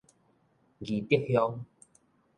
義竹鄉